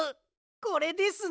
これですね。